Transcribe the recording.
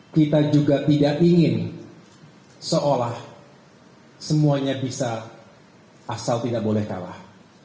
kita juga tidak ingin seolah semuanya bisa asal tidak boleh kalah